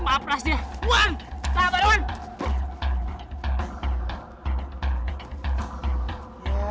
nah abis itu pukul pukul aja